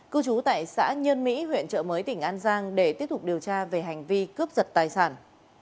cư trú tại xã nhân mỹ huyện trợ mới tỉnh an giang để tiếp tục điều tra về hành vi cướp giật tài sản